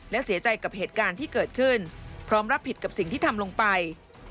และเสียใจกับเหตุการณ์ที่เกิดขึ้นพร้อมรับผิดกับสิ่งที่ทำลงไป